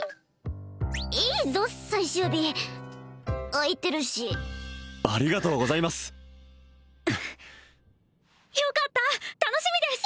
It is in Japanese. いいいぞ最終日空いてるしありがとうございますよかった楽しみです！